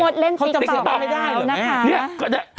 เดี๋ยวนี้พี่มดเล่นจริงต่อไปแล้วนะคะ